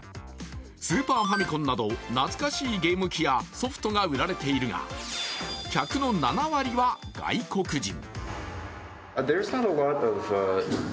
スーパーファミコンなど懐かしいゲーム機やソフトが売られているが、客の７割は外国人。